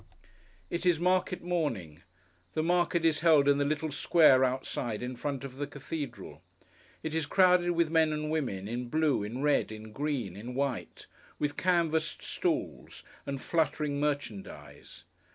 It is market morning. The market is held in the little square outside in front of the cathedral. It is crowded with men and women, in blue, in red, in green, in white; with canvassed stalls; and fluttering merchandise.